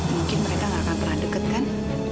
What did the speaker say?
mungkin mereka nggak akan pernah deket kan